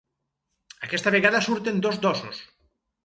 Aquesta vegada surten dos dosos.